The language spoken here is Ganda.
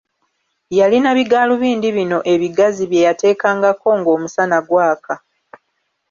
Yalina bigalubindi bino ebigazi bye yateekangako ng'omusana gwaka.